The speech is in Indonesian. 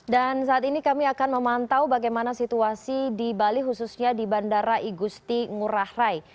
dan saat ini kami akan memantau bagaimana situasi di bali khususnya di bandara igusti ngurah rai